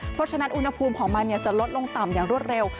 เพราะฉะนั้นอุณหภูมิของมันจะลดลงต่ำอย่างรวดเร็ว